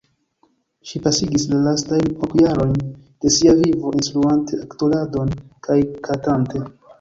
Ŝi pasigis la lastajn ok jarojn de sia vivo instruante aktoradon kaj kantante.